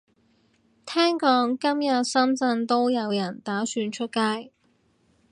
聽講今日深圳都有人打算出街